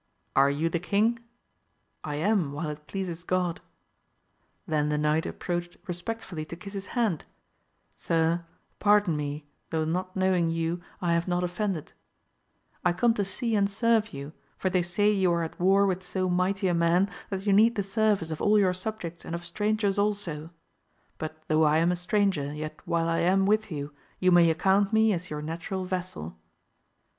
— Are you the king? — I am, while it pleases God. Then the knight approached respectfully to kiss his hand, Sir, pardon me, tho' not knowing you I have not offended, I come to see and serve you, for they say you are at war with so mighty a man that you need the service of all your subjects and of strangers also ; but though I am a stranger yet while I am with you you may account me as your natural vassal.